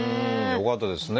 よかったですね。